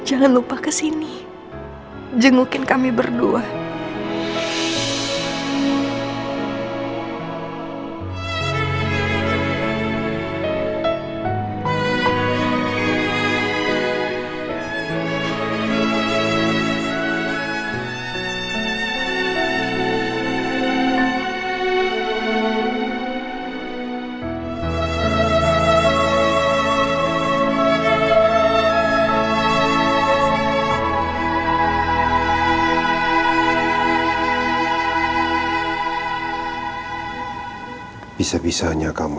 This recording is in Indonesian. aku cinta banget sama kamu